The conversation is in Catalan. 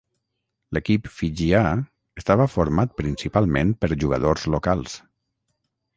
L'equip fijià estava format principalment per jugadors locals.